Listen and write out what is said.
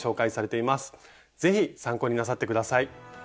是非参考になさって下さい。